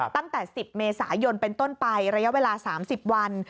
ตั้งแต่๑๐เมษายนเป็นต้นไประยะเวลา๓๐วัน